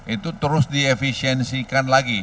itu terus diefisiensikan lagi